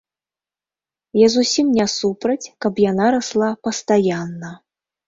Я зусім не супраць, каб яна расла пастаянна.